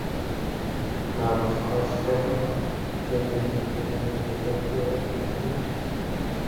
مامۆستا سەعید جەمیلێکی پیرمان لەگەڵ بوو هەر دەیگوت: